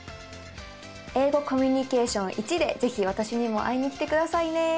「英語コミュニケーションⅠ」で是非私にも会いに来てくださいね。